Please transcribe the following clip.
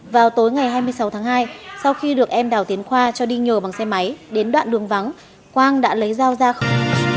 vào tối ngày hai mươi sáu tháng hai sau khi được em đào tiến khoa cho đi nhờ bằng xe máy đến đoạn đường vắng quang đã lấy dao ra không